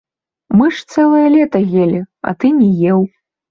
Мы ж цэлае лета елі, а ты не еў.